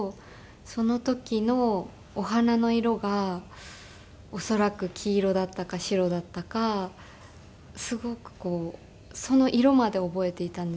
その時のお花の色が恐らく黄色だったか白だったかすごくこうその色まで覚えていたんですけど。